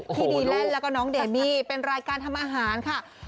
ที่ดีแลนด์แล้วก็น้องเดมี่เป็นรายการทำอาหารค่ะ